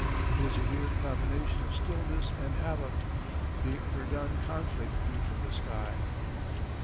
It is a weird combination of stillness and havoc, the Verdun conflict viewed from the sky.